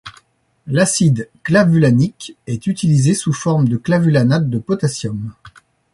L'acide clavulanique est utilisé sous forme de clavulanate de potassium.